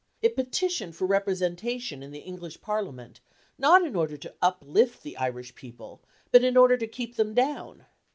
It petitioned for representation in the English Parliament, not in order to uplift the Irish people, but in order to keep them down.